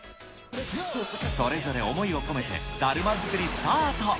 それぞれ思いを込めて、だるま作りスタート。